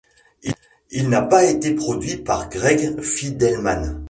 Il n'a pas été produit par Greg Fidelman.